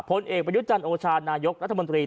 ผลเอกประยุจันทร์โอชานายกรัฐมนตรี